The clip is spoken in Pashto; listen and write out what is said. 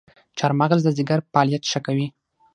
چارمغز د ځیګر فعالیت ښه کوي.